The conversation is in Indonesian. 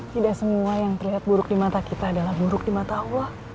tidak semua yang terlihat buruk di mata kita adalah buruk di mata allah